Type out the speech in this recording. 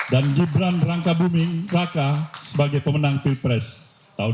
dan jibran rangka buming raka sebagai pemenang pilpres tahun dua ribu dua puluh empat